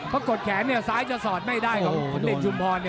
พอกดแขนเนี่ยซ้ายจะสอดไม่ได้ของเด็ดชุมพรเนี่ย